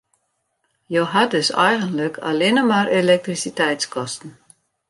Jo ha dus eigenlik allinne mar elektrisiteitskosten.